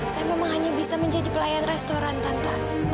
saya memang hanya bisa menjadi pelayan restoran tantang